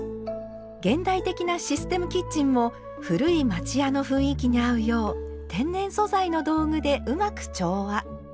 現代的なシステムキッチンも古い町家の雰囲気に合うよう天然素材の道具でうまく調和。